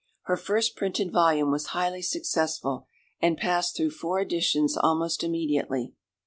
Her first printed volume was highly successful, and passed through four editions almost immediately.